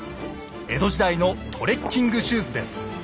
江戸時代のトレッキングシューズです。